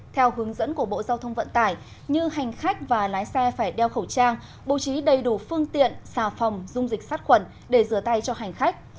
theo hướng dẫn của bộ giao thông vận tải như hành khách và lái xe phải đeo khẩu trang bố trí đầy đủ phương tiện xà phòng dung dịch sát khuẩn để rửa tay cho hành khách